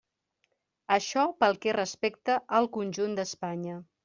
Això pel que respecta al conjunt d'Espanya.